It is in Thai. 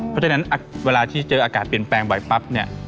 เพราะฉะนั้นเวลาที่เจออากาศเปลี่ยนแปลงบ่อยปั๊บเนี่ย